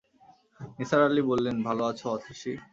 নিসার আলি বললেন, ভালো আছ অতসী?